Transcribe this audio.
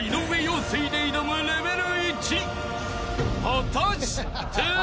［果たして？］